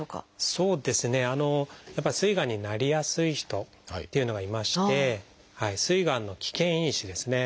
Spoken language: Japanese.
そうですねやっぱりすいがんになりやすい人っていうのがいましてすいがんの危険因子ですね